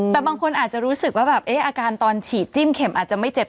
แต่บางคนอาจจะรู้สึกว่าแบบอาการตอนฉีดจิ้มเข็มอาจจะไม่เจ็บ